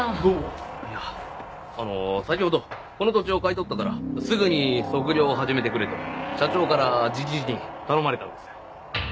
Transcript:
いやあの先ほどこの土地を買い取ったからすぐに測量を始めてくれと社長から直々に頼まれたんです。